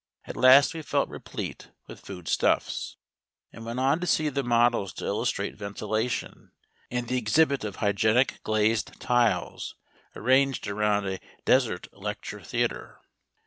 At last we felt replete with food stuffs, and went on to see the models to illustrate ventilation, and the exhibits of hygienic glazed tiles arranged around a desert lecture theatre.